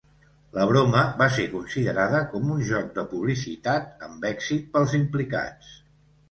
La broma va ser considerada com un joc de publicitat amb èxit pels implicats.